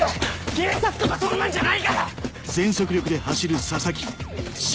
警察とかそんなんじゃないから！